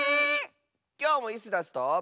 きょうもイスダスと。